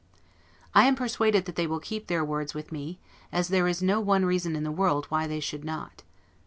I am persuaded that they will keep their words with me, as there is no one reason in the world why they should not.